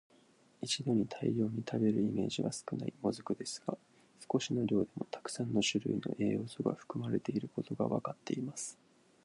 一度に大量に食べるイメージは少ない「もずく」ですが、少しの量でもたくさんの種類の栄養素が含まれていることがわかっています。